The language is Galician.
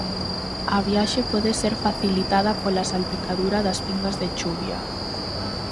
A viaxe pode ser facilitada pola salpicadura das pingas de chuvia.